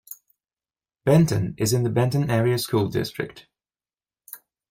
Benton is in the Benton Area School District.